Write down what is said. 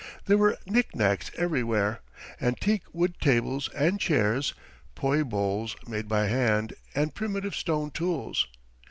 There were knickknacks everywhere, and teak wood tables and chairs, poi bowls made by hand, and primitive stone tools.